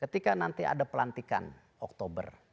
ketika nanti ada pelantikan oktober